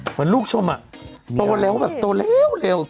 เหมือนลูกชมอ่ะโตแล้วแบบโตเร็ว